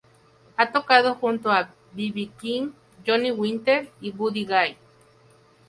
Ha tocado junto a B. B. King, Johnny Winter, y Buddy Guy.